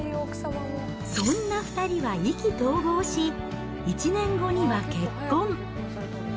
そんな２人は意気投合し、１年後には結婚。